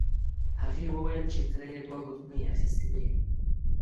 هغې وویل چې تره یې دوه ګوتمۍ اخیستې وې.